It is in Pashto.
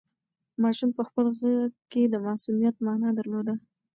ماشوم په خپل غږ کې د معصومیت مانا درلوده.